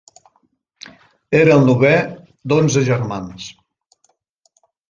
Era el novè d'onze germans.